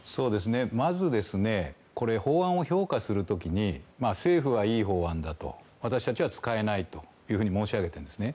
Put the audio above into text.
まず、法案を評価する時に政府はいい法案だと私たちは使えないと申し上げたんですね。